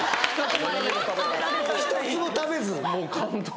１つも食べず！？